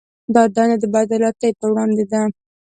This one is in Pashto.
دا دنده د بې عدالتۍ پر وړاندې ده.